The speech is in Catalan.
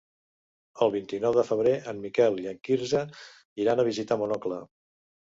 El vint-i-nou de febrer en Miquel i en Quirze iran a visitar mon oncle.